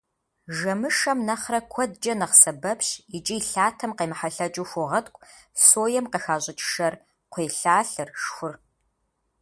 Жэмышэм нэхърэ куэдкӀэ нэхъ сэбэпщ икӀи лъатэм къемыхьэлъэкӀыу хуогъэткӀу соем къыхащӀыкӀ шэр, кхъуейлъалъэр, шхур.